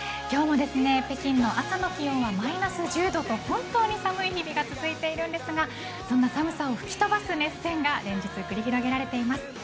今日も北京の朝の気温はマイナス１０度と本当に寒い日々が続いているんですがそんな寒さを吹き飛ばす熱戦が連日繰り広げられています。